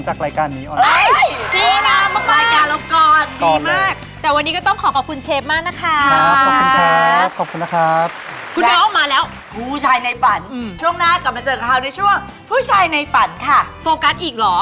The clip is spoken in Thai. ใช่ไม่ให้ไปไหน